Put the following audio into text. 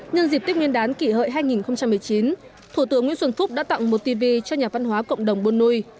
nhân dịp tết nguyên đán kỷ hợi hai nghìn một mươi chín thủ tướng nguyễn xuân phúc đã tặng một tv cho nhà văn hóa cộng đồng buôn nui